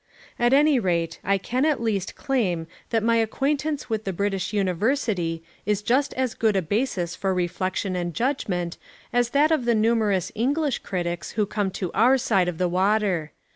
At any rate I can at least claim that my acquaintance with the British university is just as good a basis for reflection and judgment as that of the numerous English critics who come to our side of the water.